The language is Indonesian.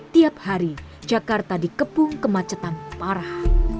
tiap hari jakarta dikepung kemacetan parah